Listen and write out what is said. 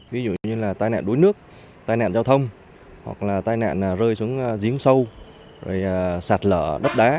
ví dụ như tai nạn đối nước tai nạn giao thông tai nạn rơi xuống giếng sâu sạt lở đất đá